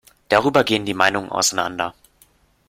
Darüber gehen die Meinungen auseinander.